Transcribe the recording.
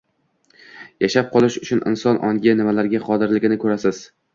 Yashab qolish uchun inson ongi nimalarga qodirligini koʻrasiz.